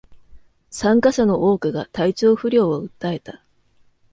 参加者の多くが体調不良を訴えた